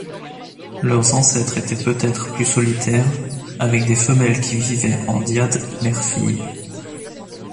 Leurs ancêtres étaient peut-être plus solitaires, avec des femelles qui vivaient en dyades mère-fille.